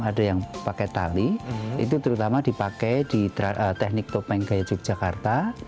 ada yang pakai tali itu terutama dipakai di teknik topeng gaya yogyakarta